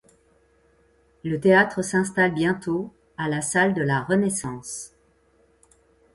Le Théâtre s'installe bientôt à la salle de la Renaissance.